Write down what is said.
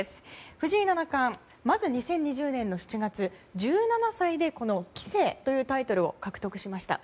藤井七冠、まず２０２０年の７月１７歳で棋聖というタイトルを獲得しました。